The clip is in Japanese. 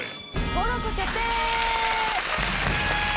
登録決定！